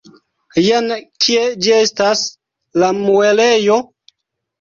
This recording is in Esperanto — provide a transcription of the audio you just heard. Jen kie ĝi estas, la muelejo!